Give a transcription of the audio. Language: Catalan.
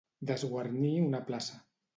Desguarnir una plaça.